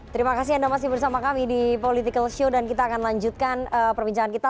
terima kasih anda masih bersama kami di political show dan kita akan lanjutkan perbincangan kita